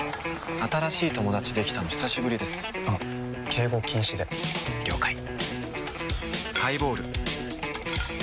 新しい友達できたの久しぶりですあ敬語禁止で了解カチン